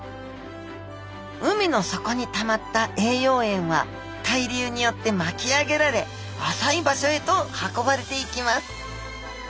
海の底にたまった栄養塩は対流によって巻き上げられ浅い場所へと運ばれていきます。